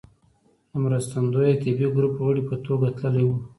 د مرستندويه طبي ګروپ غړي په توګه تللی و.